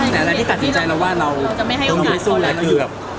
แต่อะไรที่ตัดสินใจแล้วว่าเราจะไม่ให้โอกาสสู้แล้วคือ